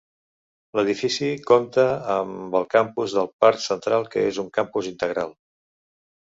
L'edifici compta amb el Campus del Parc Central, que és un campus integral.